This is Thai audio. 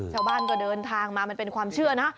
ชาวบ้านก็เดินทางมามันเป็นความเชื่อนะ